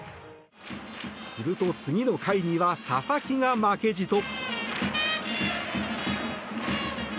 すると、次の回には佐々木が負けじと。